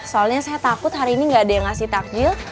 soalnya saya takut hari ini nggak ada yang ngasih takjil